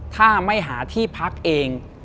ถ้าไม่หาที่พักเอง